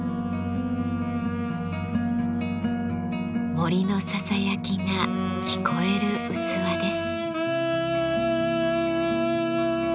森のささやきが聞こえる器です。